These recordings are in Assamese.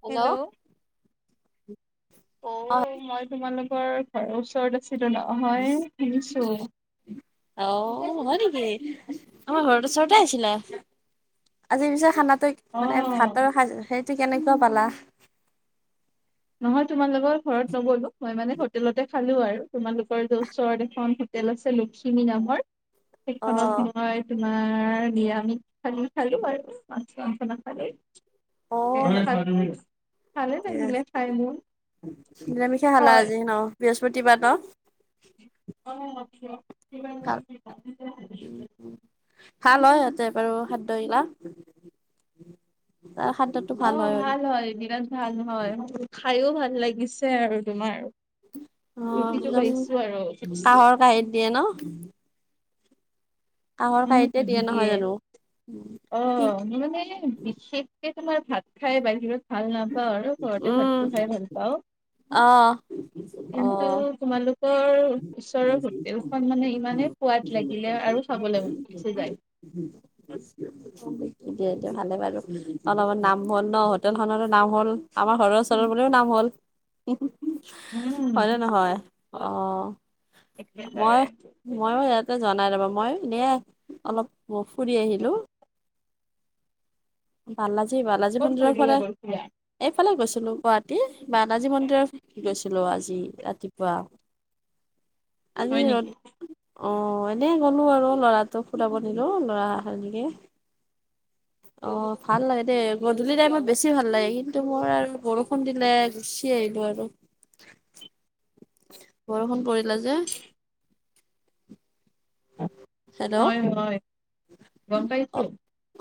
হেল্ল' অ মই তোমালোকৰ ঘৰৰ ওচৰত আছিলো নহয় শুনিছো। অ হয় নেকি আমাৰ ঘৰৰ ওচৰতে আছিলা আজি পিছে খানাটো অ মানে ভাতৰ সাজ সেইটো কেনেকুৱা পালা। নহয় তোমাৰ লগৰ ঘৰত নগ'লো মই মানে হোটেলতে খালো আৰু তোমালোকৰ যে ওচৰত এখন- হোতেল আছে লখিমী নামৰ অ সেইখনত মই- তোমাৰ নিৰামিষ থালি খালো আৰু মাছ মাংস নাই খোৱা দেই, অ হয় নেকি? ভালে লাগিলে। খাই মোৰ নিৰামিষে খালা হয় আজি ন বৃহস্পতিবাৰ ন। অফ [unintelligible] খাল হয় ইহতে বাৰু খাদ্য গিলাক- অঁ ভাল হয় বিৰাট ভাল হয়, খায়ো ভাল লাগিছে আৰু তোমাৰ- অ জুতিটো একদম পাইছো আৰু ঠিকছে। কাঁহৰ কাঁহীত দিয়ে ন। কাঁহৰ কাঁহীতে দিয়ে নহয় জানো। অ কি মানে বিশেষকে তোমাৰ ভাত খাই বাহিৰত- ভাল নাপাওঁ আৰু ঘৰতে উম ভাতটো খাই ভাল পাওঁ। অ অ কিন্তু তোমালোক- তোৰ ওচৰৰ হোটেলখন মানে ইমানে সোৱাদ লাগিলে আৰু খাবলে মন গুছি যায়। উ [unintelligible] দিয়া দিয়া ভালে বাৰু অলপত নাম হ'ল ন হোটেল খনৰো নাম হ'ল। আমাৰ ঘৰৰ ওচৰৰ বোৰৰ নাম হ'ল। হয়নে উম নহয় অ। একে বাৰে। মই ময়ো ইয়াতে জনাই ৰবা মই এনে অলপ ফুৰি আহিলো। বাালজী বাালজী ক'ত মন্দিৰ ফুৰিবলৈ ফালে গৈছিলা - এইফালে গৈছিলো গুৱাহাটী বানাজী মন্দিৰত গৈছিলো আজি ৰাতিপুৱা। আজি হয় ৰ'দ, নেকি অঁ এনেই গ'লোঁ আৰু ল'ৰাটোক ফুৰাব নিলো ল'ৰা এনেকে। অঁ ভাল লাগে দে। গধূলি টাইমত বেছি ভাল লাগে কিন্তু মই আৰু বৰষুণ দিলে গুচি আহিলোঁ আৰু। বৰষুণ পৰিলা যে। হেল্ল' অঁ। হয় হয় গম পাইছো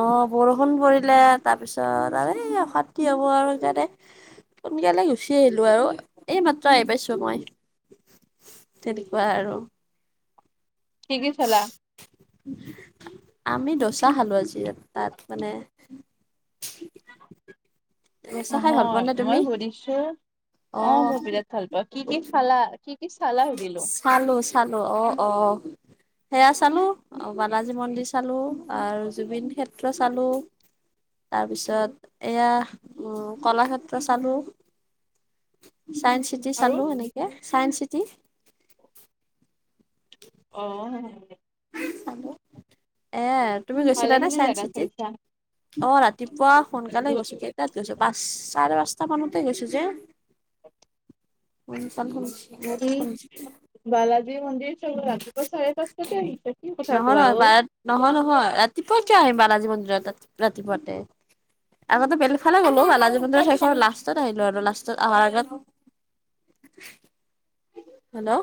অঁ বৰষুণ পৰিলে তাৰপিছত আৰু এই অশান্তি হব আৰু সেইকাৰণে। সোনকালে গুচি আহিলো আৰু, এই মাত্ৰ আহি পাইছো মই। তেনেকুৱা আৰু। কি কি চালা। আমি দচা খালো আজি তাত মানে- [unintelligible] দচা খাই ভাল পোৱা নহয় নে মই তুমি সুধিছোঁ অ অঁ মই বিৰাট- ভাল পাওঁ, কি কি চালা কি কি চালা সুধিলোঁ। চালো চালো অঁ অঁ সেয়া চালোঁ বালাজী মন্দিৰ চালোঁ আৰু জুবিন ক্ষেত্ৰ চালোঁ। তাৰপিছত এয়া কলাক্ষেত্ৰ চালো। চায়ন্স চিটি আৰু চালো এনেকে চায়ন্স চিটি। অঁঔ এ তুমি গৈছিলানে ভালেখিনি চাইন্স জেগা চিটিত? চাইছা অ, ৰাতিপুৱা সোনকালে গৈছো কেইটাত গৈছো পাঁচ চাৰে পাঁচটা মানতে গৈছো যে। [inaudible] [unintelligible] উম, শুনিছোঁ। বালাজী মন্দিৰ চুন ৰাতিপুৱা চাৰেপাঁচটা তে আহিছে কি কথা নহয় কোৱা নহয় অ? বাৰত নহয়- নহয় ৰাতিপুৱা কিয় আহিম বালাজী মন্দিৰত ৰাত -ৰাতিপুৱাতে? আগতে বেলেগফালে গলো বালাজী মন্দিৰৰ সেইখন লাষ্টত আহিলো আৰু লাষ্টত আহাৰ আগত হেল্ল',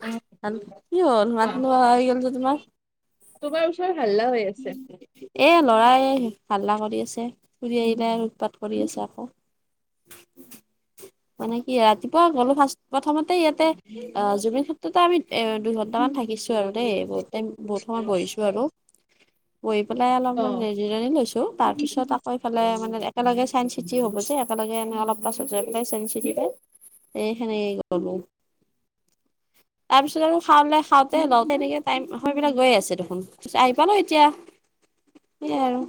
[unintelligible] কি হ'ল মাত কোৱা নোহোৱা আহি গল যে তোমাৰ? তোমাৰ ওচৰত হাল্লা হৈ আছে? এ ল'ৰায়ে হাল্লা কৰি আছে ফুৰি আহিলে উটপাত কৰি আছে আকৌ। মানে কি ৰাতিপুৱা গ'লো ফাৰ্ষ্ট প্ৰথমতে ইয়াতে অ, জুবিন ক্ষেত্ৰতে আমি এ দুইঘণ্টামান থাকিছো আৰু দেই বহুত। [unintelligible] বহুত সময় বহিছো আৰু। বহি পেলাই অ অলপমান হে জিৰণি লৈছো তাৰ পিছত আকৌই ইফালে মানে একেলগে চায়েঞ্চ চিটি হব যে একেলগে এনে অলপ পাছত যায় সেই চেইন চিটিতে এই সেনেকে গলো। তাৰপিছত আৰু খােওঁলে খাওঁতে লওঁতে তেনেকে টাইম সময়বিলাক গৈ আছে দেখোন। পিছে আহি পালোঁ এতিয়া সেয়ে আৰু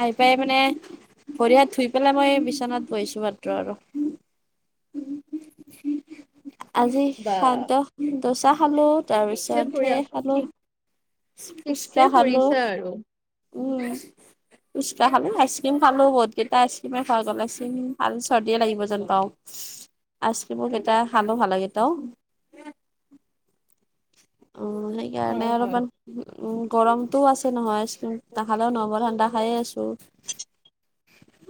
আহি পায় মানে ভৰি হাত ধুই পেলাই মই এই বিচনাত বহিছোঁ মাত্ৰ আৰু। আজি বা সাদ দচা খালো। ঠিকছে তাৰপিছত ফুৰি সেই আছো খালোঁ ঠিক ঠিকছে ফুচকা খালোঁ। ফুৰিছা আৰু উম, পুচকা খালোঁ, আইচক্ৰীম খালোঁ বহুত কেইটা আইচক্ৰীমে খোৱা গলেছোন ভাল চৰ্দিয়ে লাগিব জন পাও আইচক্ৰীমো কেইটা খালোঁ ভালকেতাওঁ। উম, সেইকাৰণে হয় হয় অলপমান উম, গৰমটোও আছে নহয় উম, নাখালেও নহব ঠাণ্ডা খাইয়ে আছোঁ।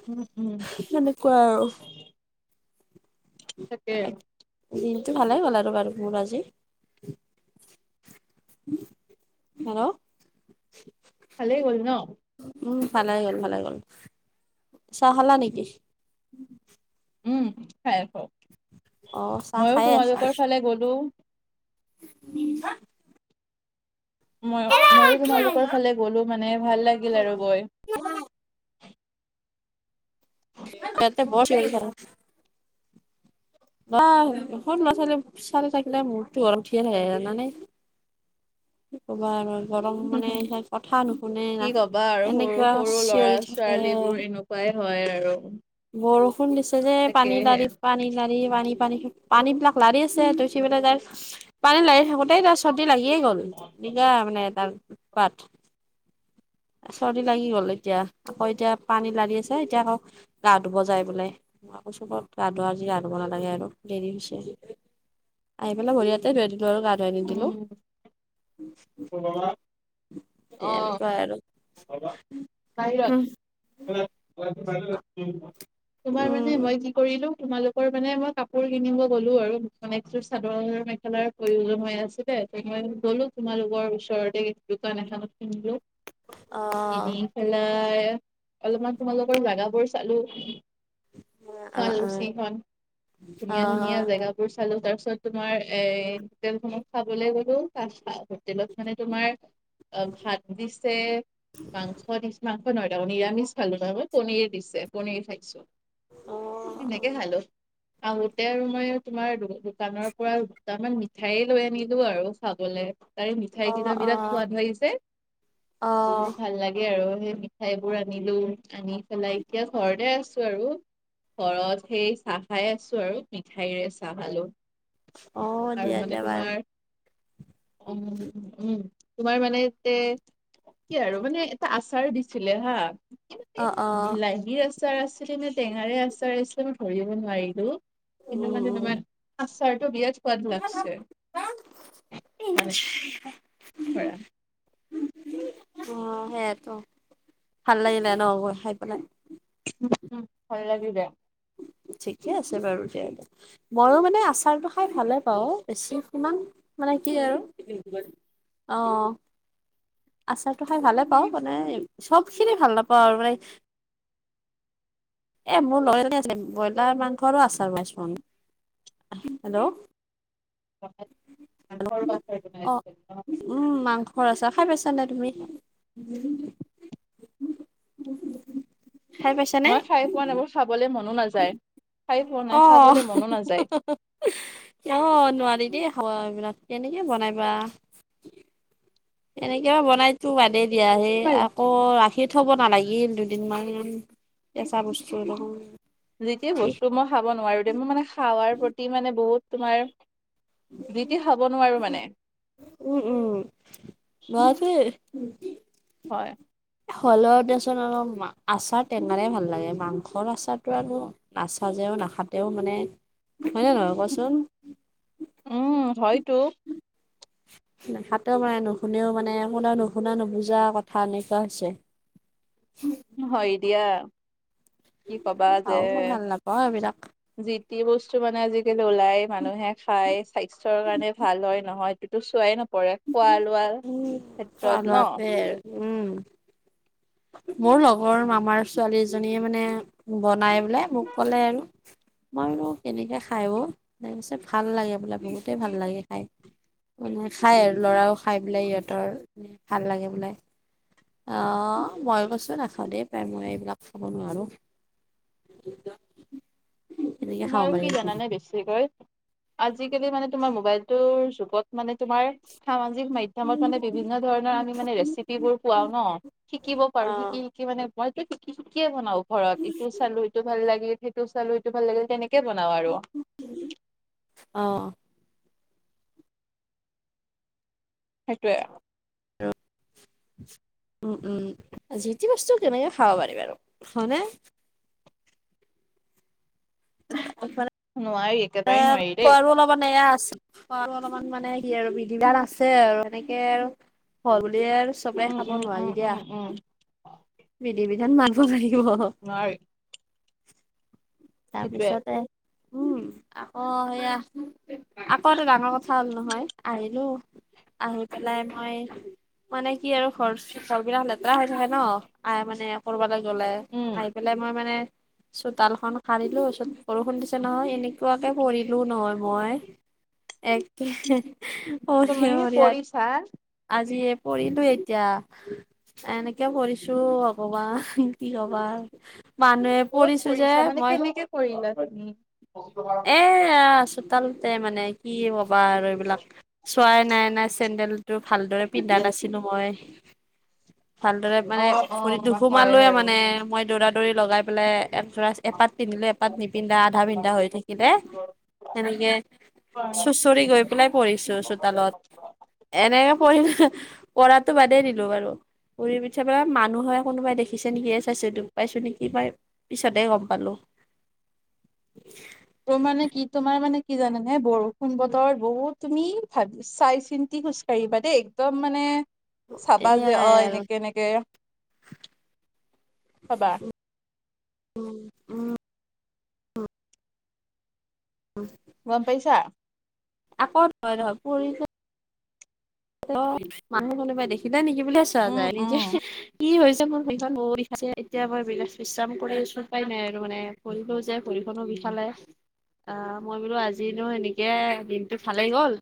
উম উম সেনেকুৱা আৰু। তাকে। দিনটো ভালেই গ'ল আৰু বাৰু মোৰ আজি। হেল্ল', ভালেই গ'ল ন? উম, ভালে গ'ল -ভালে গ'ল চাহ খালা নেকি? উম, খাই আছোঁ অ চাহ ময়ো খায়ে আছা তোমালোকৰ ফালে গলোঁ। [unintelligible] মইয় মইও তোমালোকৰ ফালে গ'লো মানে ভাল লাগিল আৰু গৈ। [unintelligible] তহঁতে বৰ চিঞৰি থাক। [unintelligible] সৰু ল'ৰা- ছোৱালী -ছোৱালী থাকিলে মোৰতো গৰম উঠিয়ে আহে জানা নে? কি কবা আৰু গৰম মানে সেই কথা নুশুনে কি না কবা আৰু সৰু এনেকুৱা সৰু ল'ৰা চিঞৰি থাকে। ছোৱালীবোৰ এনেকুৱাই হয় আৰু। বৰষুণ দিছে যে পানী লাৰি তাকেহে পানী লাৰি পানী -পানী -পানী বিলাক লাৰি আছে ত' সি পেলাই তাৰ পানী লাৰি থাকোতেই তাৰ চৰ্দী লাগিয়ে গ'ল দিগদাৰ মানে তাৰ উৎপাত। চৰ্দি লাগি গল এতিয়া আকৌ এতিয়া পানী লাৰি আছে এতিয়া আকৌ গা ধুব যায় বোলে। মই কৈছোঁ বত গা ধুৱা আজি গা ধুব নালাগে আৰু দেৰি হৈছে। আহি পেলাই ভৰি হাতে ধোৱে দিলো আৰু গা ধুৱাই নিদিলোঁ। উম, অ', এনেকুৱাই আৰু। [unintelligible] বাহিৰত [unintelligible] তোমাৰ মানে উম মই কি কৰিলো তোমালোকৰ মানে মই কাপোৰ কিনিব গলোঁ আৰু, মানে এযোৰ চাদৰ-মেখেলাৰ প্ৰয়োজন হৈ আছিলে তে মই গলো তোমালোকৰ ওচৰতে দোকান এখনত কিনিলো অ [inaudible] কিনি পেলাই অলপমান তোমালোকৰ জাগাবোৰ চালো। অ অ শুৱালকুছিখন, অ ধুনীয়া - ধুনীয়া জেগা বোৰ চালো। তাৰ পিছত তোমাৰ এই হোটেলখনত খাবলৈ গলো। তা [unintelligible] হোটেলত মানে তোমাৰ অ'- ভাত দিছে, মাংস দিছে, মা আকৌ নহয় দে কনি নিৰামিষ খালো, নহয় মই পনিৰ দিছে। পনিৰ খাইছো অ অ সেনেকে খালো। আহোতে আৰু মই তোমাৰ দো- দোকানৰ পৰা দুটামান মিঠাই লৈ আনিলো আৰু খাবলে। তাৰে অ অ মিঠাইকেইটা বিৰাত সোৱাদ লাগিছে। অ' ভা ল লাগে আৰু। সেই মিঠাইবোৰ আনিলো, আনি পেলাই এতিয়া ঘৰতে আছোঁ আৰু। ঘৰত সেই চাহ খাই আছোঁ আৰু, মিঠাইৰে চাহ খালোঁ। অ' দিয়া - দিয়া ভাল উম - উম তোমাৰ মানে এতে- কি আৰু মানে এটা আচাৰো দিছিলে হা, অ কিবা [inaudible] অ বিলাহী আ আচাৰ আছিলে নে টেঙাৰে আচাৰ আছিলে, মই ধৰিব নোৱাৰিলো। কিন্তু উম, মানে উম, তোমাৰ আচাৰটো বিৰাত সোৱাদ লাগছে, মানে ধৰা অ' সেইয়াটো। ভাল লাগিলে ন' গৈ খাই পেলাই? উম - উম, ভাল লাগিলে। ঠিকে আছে বাৰু তেতিয়া হ'লে। মইও মানে আচাৰটো খাই ভালে পাওঁ। বেছি সিমান, মানে কি আৰু অ'। আচাৰটো খাই ভালে পাওঁ মানে, চবখিনি ভাল নাপাওঁ আৰু মানে এ মোৰ ল [unintelligible] এ আছিলে, ব্ৰইলাৰ মাংসৰো আচাৰ বনাইছোঁ আমি। হেল্ল'? [unintelligible] মাংসৰো আচাৰ বনায় অ', আজিকালি ন'? উম, মাংসৰ আচাৰ। খাই পাইছানে তুমি? [inaudible] পাইছানে? মই খাই পোৱা নাই বাৰু। খাবলে মনো নাযায়। খাই পোৱা নাই অ' খাবলে মনো নাযায় হঁ-হঁ-হঁ-হঁ। অ' নোৱাৰি দেই খোৱা এইবিলাক। কেনেকে বনাইবা? কেনেকেবা বনাইটো বাদে দিয়া, সেই তোমাৰ আ কৌ ৰাখি থ'ব নালাগিল দুদিনমান, কেচা বস্তু যি-টি বস্তু মই খাব নোৱাৰোঁ দে। মই মানে খাৱাৰ প্ৰতি মানে বহুত তোমাৰ যি-টি খাব নোৱাৰোঁ মানে। উম - উম। বাকি হয়। এ হ'লেও দেচোন আকো, আচাৰ টেঙাৰে ভাল লাগে, মাংসৰ আচাৰটো আকো নাচাজেও - নাখাটেও মানে, হয়নে নহয় কোৱা চোন? উম, হয়তো। নাখাটেও মানে, নুশুনেও মানে, কোনেও নুশুনা-নুবুজা কথা এনেকুৱা হৈছে। উ হয় দিয়া। কি কবা যে। খাও মই ভাল নাপাওঁ এইবিলাক যি-টি বস্তু মানে আজিকালি ওলায়, মানুহে খায়। স্বাস্থ্যৰ কাৰণে ভাল হয়-নহয়, সেইটোতো চোৱাই ন পৰে খোৱা-লোৱা উম। খোৱা ক্ষেত্ৰত, ন'? লোৱাতে উম। মোৰ লগৰ মামাৰ ছোৱালীজনীয়ে মানে বনায় বোলে। মোক কলে আৰু। মইনো কেনেকে খাই অ'। তাৰ পিছত ভাল লাগে বোলে, বহুতে ভাল লাগে খাই। মানে খায় আৰু, ল'ৰাও খাই বোলে সিহঁতৰ, মানে ভাল লাগে বোলে। অ', মই কৈছো নাখাওঁ দেই পাই মই এইবিলাক খাব নোৱাৰো। [unintelligible] তোমাৰ কি পাৰি। জানানে বেছিকৈ? আজিকালি মানে তোমাৰ মোবাইলটোৰ যুগত মানে তোমাৰ সামাজিক মাধ ধ্যমত মানে বিভিন্ন ধৰণৰ আমি মানে ৰেচিপিবোৰ পোৱাও ন, শিকিব অ পাৰো শিকি শিকি মানে মইতো শিকি শিকিয়ে বনাওঁ ঘৰত, ইটো চালো ইটো ভাল লাগে, সেইটো চালো সিটো ভাল লাগে। তেনেকে বনাওঁ আৰু। অ', সেইটোয়ে আউ। [unintelligible] উম, উম, যিতি বস্তু কেনেকে খাব পাৰিম আৰু, হয়নে? [unintelligible] নোৱাৰি। একেবাৰে নোৱাৰি [unintelligible] দেই আৰু অলপমান এয়া আছে। অলপমান মানে কি আৰু বিধি বিধান আছে আৰু এনেকে হল বুলিয়ে আৰু চবে উম খাব উম উম নোৱাৰি উম দিয়া। উম বিধি বিধান মানব লাগিব। নোৱাৰি। সেইটোয়ে তাৰপিছতে, উম। আকৌ সেয়া, আকৌ এটা ডাঙৰ কথা হ'ল নহয়, আহিলো। আহি পেলাই মই মানে কি আৰু ঘৰ-ঘৰবিলাক লেতেৰা হৈ থাকে ন' আ মানে কৰবা লাগ জলে উম আহি পেলাই মই মানে, চোতালখন সাৰিলো ছত, বৰষুণ দিছে নহয় এনেকুৱাকে কৰিলো নহয় মই। একে, অ', তুমি দিয়া হব দিয়া। কৰিছা আজি এ পৰিলো এতিয়া। এনেকে কৰিছো, অ', ভগৱান কি কবা। মানুহে ক'ত পৰিছোঁ যে কৰিছা মানে মই কেনেকে কৰিলা তুমি? এয়া চোতালতে মানে কি কবা আৰু এইবিলাক। চোৱাই নাই নাই চেণ্ডেলটো ভালদৰে পিন্ধা নাছিলো মই। ভালদৰে অ মানে, ভৰিত অ দুখু হয় পালোঁ বাৰু। মানে মই দৌৰা দৌৰি লগাই পেলাই এজৰা এপাত পিন্ধিলে এপাত নিপিন্ধা আধা পিন্ধা হৈ থাকিলে, সেনেকে চুচ চৰি গৈ পেলাই পৰিছো চোতালত। এনেকে পৰিলো, পৰাতো বাদেই দিলো বাৰু। ঘুৰি পিঠাবা মানুহে কোনোবাই দেখিছোঁ নেকি চাইছো দুখ পাইছো নেকি পাই। পিছত হে গম পালো। তোৰ মানে কি তোমাৰ মানে কি জানে নে বৰষুণ বতৰত বহুত তুমি, ভাব চাই চিন্তি খোজ কঢ়িবা দেই একদম মানে চাবা যে এয়াই অ', আৰু এনেকে এনেকে, চাবা। উম, উম, উম, গম পাইচা? আকৌ [unintelligible] নহয়, পৰিছোঁ। অ, ' মানুহ কোনোবাই দেখিলে নেকি বুলিহে চোৱা উম নাই উম নিজে কি হৈছে মোৰ ভৰি খন মইয়ো এতিয়া মই বিশ-বিশ্ৰাম কৰি আছোঁ তাই নাই আৰু মানে ভৰিটোও যে ভৰিখনো বিশালে। আ মই বোলো আজিনো এনেকে দিনটো ভালেই গ'ল।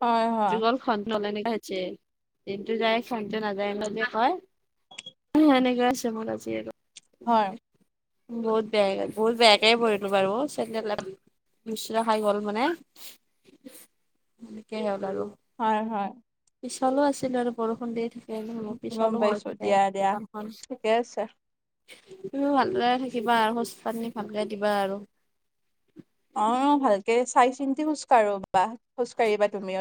হয়, হয়, [unintelligible] তেনেকে আছোঁ মই আজি আৰু। হয়। বহুত বেয়াকে বহুত বেয়াকে পৰিলো বাৰু চেণ্ডেল মুচুৰা খাই গল' মানে সেনেকেইে হ'ল আৰু। হয়- হয়। পিচলো আছিলো আৰু বৰষুণ দি। ন গম পিছলো হৈ পাইছোঁ থাকে দিয়া দিয়া ঠিকে আছে। তুমি ভালে থাকিবা আৰু সৌচ পানী ভালকে দিবা আৰু। অ' ভালকে চাই চিন্তি খোজকাঢ়ো বা খোজ কাঢ়িবা তুমিও।